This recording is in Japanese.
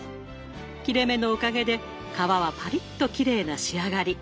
切れ目のおかげで皮はパリッときれいな仕上がり。